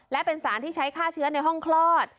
และเป็นสารที่ใช้ฆ่าเชื้อในห้องคลอด